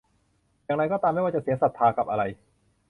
อย่างไรก็ตาม ไม่ว่าจะเสียศรัทธากับอะไร